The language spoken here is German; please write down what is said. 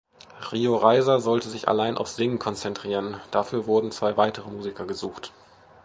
Rio Reiser sollte sich allein aufs Singen konzentrieren, dafür wurden zwei weitere Musiker gesucht.